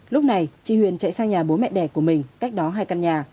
lúc này chị huyền chạy sang nhà bố mẹ đẻ của mình cách đó hai căn nhà